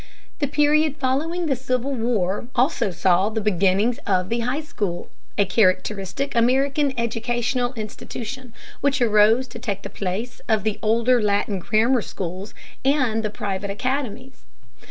The period following the Civil War also saw the beginnings of the high school, a characteristic American educational institution which arose to take the place of the older Latin grammar schools and the private academies.